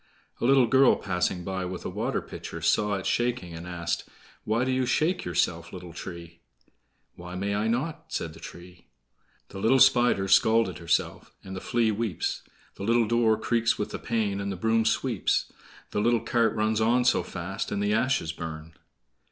A little girl passing by with a water pitcher saw it shaking, and asked: "Why do you shake yourself, little tree?" "Why may I not?" said the tree: "The little Spider's scalt herself, And the Flea weeps; The little door creaks with the pain, And the broom sweeps; The little cart runs on so fast, And the ashes burn."